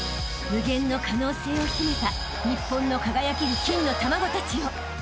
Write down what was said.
［無限の可能性を秘めた日本の輝ける金の卵たちよ］